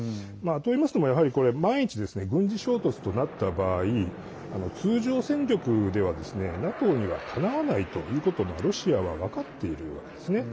といいますのも、やはり万一軍事衝突となった場合通常戦力ではＮＡＴＯにはかなわないということをロシアは分かっているわけですね。